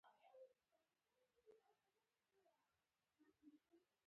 د پاچا د واکونو محدودول یې غوښتل.